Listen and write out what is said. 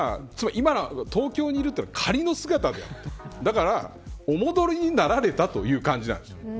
今、東京にいるというのは仮の姿でだからお戻りになられたという感じなんですよ。